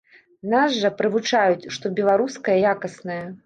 Нас жа прывучаюць, што беларускае якаснае.